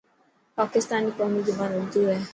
پاڪستان ري قومي زبان اردو هي.